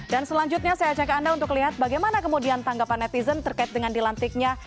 dan selanjutnya saya ajak anda untuk lihat bagaimana kemudian tanggapan netizen terkait dengan dilantiknya